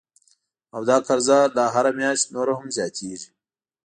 او دا قرضه لا هره میاشت نوره هم زیاتیږي